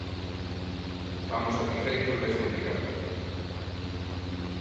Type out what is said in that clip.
Estamos satisfeitos desa implicación.